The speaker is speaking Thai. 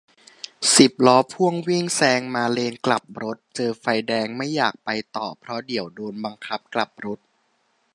สิบล้อพ่วงวิ่งแซงมาเลนกลับรถ เจอไฟแดง ไม่อยากไปต่อ เพราะเดี๋ยวโดนบังคับกลับรถ